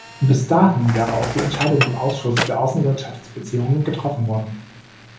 Bis dahin wäre auch die Entscheidung im Ausschuss für Außenwirtschaftsbeziehungen getroffen worden.